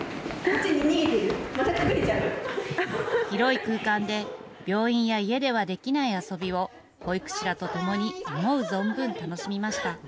広い空間で、病院や家ではできない遊びを、保育士らと共に思う存分、楽しみました。